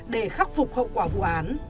để khắc phục hậu quả vụ án